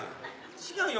違うよ。